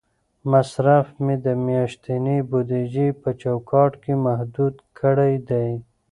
مصرف مې د میاشتنۍ بودیجې په چوکاټ کې محدود کړی دی.